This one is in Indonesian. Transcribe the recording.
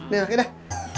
nih pakai dah